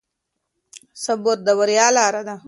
صبر د بريا لاره ده.